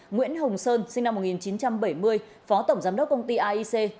nguyễn hồng sơn sinh năm một nghìn chín trăm bảy mươi phó tổng giám đốc công ty aic